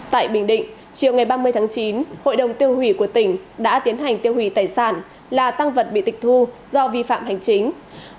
tại bình định chiều ngày ba mươi tháng chín hội đồng tiêu hủy của tỉnh đã tiến hành tiêu hủy tài sản là tăng vật bị tịch thu do vi phạm hành chính